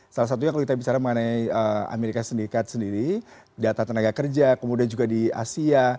salah satunya kalau kita bicara mengenai amerika serikat sendiri data tenaga kerja kemudian juga di asia